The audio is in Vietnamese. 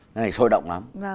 cái này sôi động lắm